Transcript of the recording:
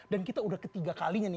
dan kita udah ketiga kalinya nih